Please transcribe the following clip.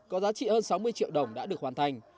có giá trị hơn sáu mươi triệu đồng đã được hoàn thành